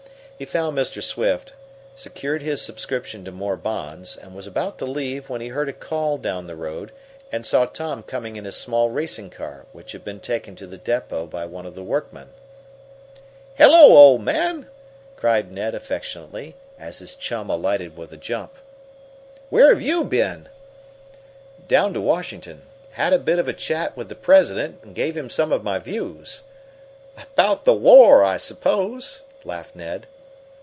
He found Mr. Swift, secured his subscription to more bonds, and was about to leave when he heard a call down the road and saw Tom coming in his small racing car, which had been taken to the depot by one of the workmen. "Hello, old man!" cried Ned affectionately, as his chum alighted with a jump. "Where have you been?" "Down to Washington. Had a bit of a chat with the President and gave him some of my views." "About the war, I suppose?" laughed Ned.